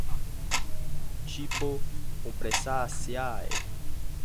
Tipo: Cupressaceae.